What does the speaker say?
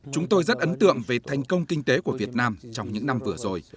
chúng tôi rất ấn tượng về thành công kinh tế của việt nam trong những năm vừa rồi